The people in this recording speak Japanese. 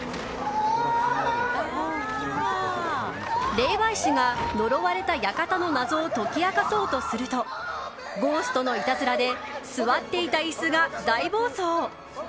霊媒師が呪われた館の謎を解き明かそうとするとゴーストのいたずらで座っていた椅子が大暴走。